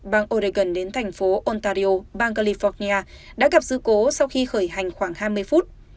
bang oregon đến thành phố ontario bang california đã gặp sự cố sau khi khởi hành khoảng hai mươi phút